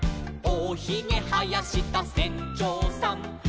「おひげはやした船長さん」